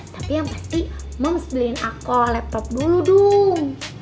tapi yang pasti mams beliin aku laptop dulu dong